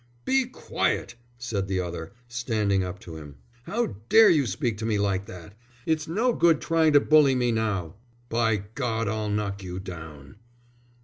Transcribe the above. "Be quiet!" said the other, standing up to him. "How dare you speak to me like that! It's no good trying to bully me now." "By God, I'll knock you down."